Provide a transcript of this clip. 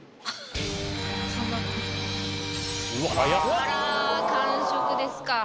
あら完食ですか。